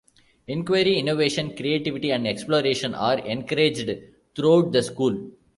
Inquiry, innovation, creativity and exploration are encouraged throughout the school.